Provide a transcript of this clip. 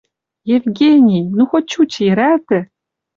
Евгений!.. Ну, хоть чуч йӹрӓлтӹ...»